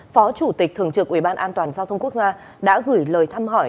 phó chủ tịch thường trực ủy ban an toàn giao thông quốc gia đã gửi lời thăm hỏi